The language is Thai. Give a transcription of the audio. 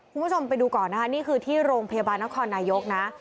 คุณผู้ชมไปดูก่อนนะคะนี่คือที่โรงพยาบาลนครนายกนะ